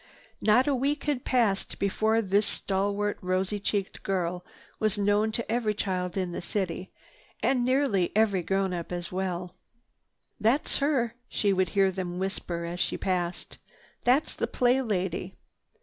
Not a week had passed before this stalwart, rosy cheeked girl was known to every child of the city, and nearly every grown up as well. "That's her," she would hear them whisper as she passed. "That's the Play Lady."